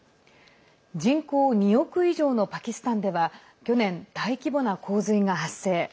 人口２億以上のパキスタンでは去年、大規模な洪水が発生。